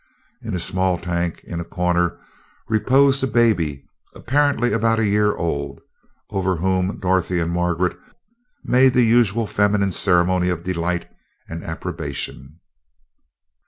In a small tank in a corner reposed a baby, apparently about a year old, over whom Dorothy and Margaret made the usual feminine ceremony of delight and approbation.